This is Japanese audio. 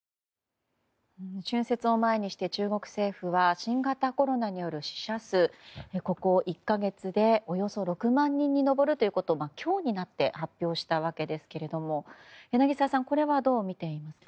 春節を前にして中国政府は新型コロナによる死者数はここ１か月でおよそ６万人に上るということを今日になって発表したわけですが柳澤さんこれはどう見ていますか？